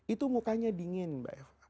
itu mukanya dingin mbak eva